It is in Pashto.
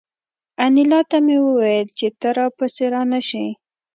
انیلا ته مې وویل چې ته را پسې را نشې